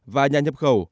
và nhà nhập khẩu